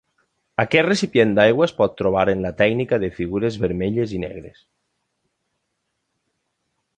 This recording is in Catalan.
Aquest recipient d'aigua es pot trobar en la tècnica de figures vermelles i negres.